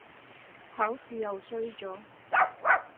考試又衰咗